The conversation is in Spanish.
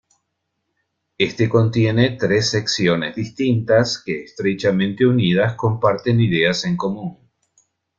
Éste contiene tres secciones distintas que, estrechamente unidas, comparten ideas en común.